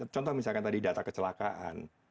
contoh misalkan tadi data kecelakaan